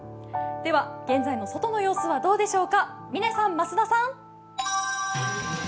では現在の外の様子はどうでしょうか、嶺さん、増田さん。